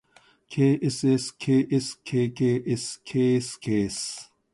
ｋｓｓｋｓｋｋｓｋｓｋｓ